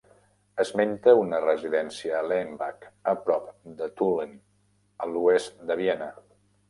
Esmenta una residència a Lengbach, a prop de Tulln, a l'oest de Viena.